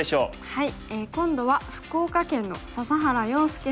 はい。